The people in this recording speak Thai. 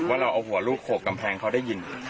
ว่าเราเอาหัวลูกโขกกำแพงเขาได้ยิน